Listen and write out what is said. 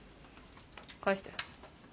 返して。